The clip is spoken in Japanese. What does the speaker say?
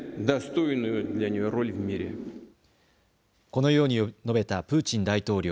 このように述べたプーチン大統領。